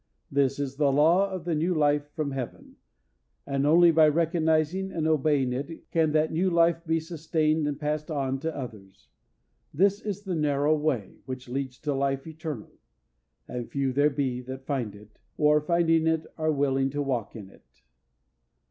This is the law of the new life from Heaven, and only by recognising and obeying it can that new life be sustained and passed on to others. This is the narrow way which leads to life eternal, "and few there be that find it," or, finding it, are willing to walk in it.